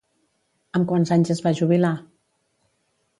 Amb quants anys es va jubilar?